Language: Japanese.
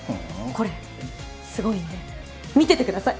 これすごいので見ててください。